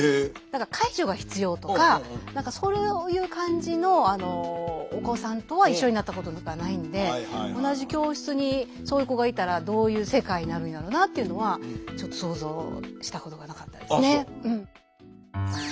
介助が必要とか何かそういう感じのお子さんとは一緒になったことがないんで同じ教室にそういう子がいたらどういう世界になるんやろなっていうのはちょっと想像したことがなかったですね。